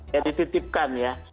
ya dititipkan ya